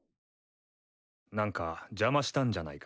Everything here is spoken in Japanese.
何か邪魔したんじゃないか？